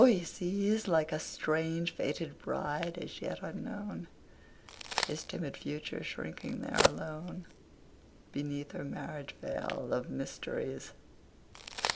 he sees Like a strange, fated bride as yet unknown, His timid future shrinking there alone, Beneath her marriage veil of mysteries.